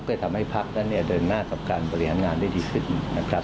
เพื่อทำให้พักนั้นเดินหน้ากับการบริหารงานได้ดีขึ้นนะครับ